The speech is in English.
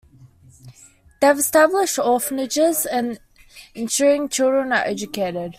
They have established orphanages and are ensuring children are educated.